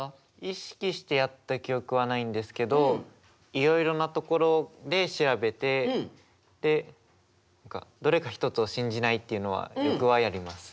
意識してやった記憶はないんですけどいろいろなところで調べてでどれか一つを信じないっていうのはよくはやります。